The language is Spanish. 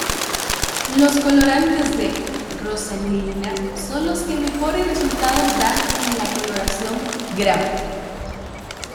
Los colorantes de p-rosanilina son los que mejores resultados dan en la coloración gram.